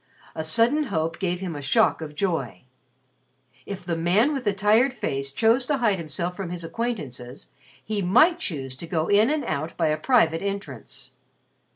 A sudden hope gave him a shock of joy. If the man with the tired face chose to hide himself from his acquaintances, he might choose to go in and out by a private entrance.